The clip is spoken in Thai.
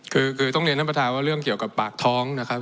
คือต้องเรียนท่านประธานว่าเรื่องเกี่ยวกับปากท้องนะครับ